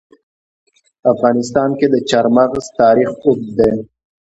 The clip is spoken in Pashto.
په افغانستان کې د چار مغز تاریخ اوږد دی.